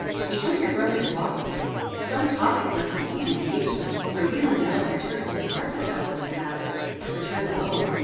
He took your brother to walk with him. Some topic must have deeply engaged them, for Wieland did not return till the breakfast hour was passed, and returned alone.